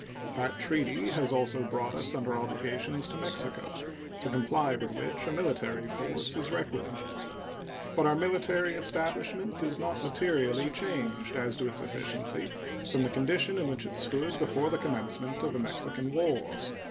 That treaty has also brought us under obligations to Mexico, to comply with which a military force is requisite. But our military establishment is not materially changed as to its efficiency from the condition in which it stood before the commencement of the Mexican War.